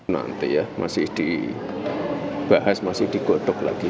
nanti ya masih dibahas masih digotok lagi